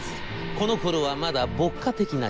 このころはまだ牧歌的な時代。